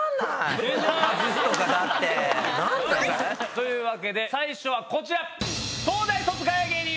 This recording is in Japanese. というわけで最初はこちら。